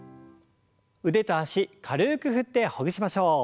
腕と脚軽く振ってほぐしましょう。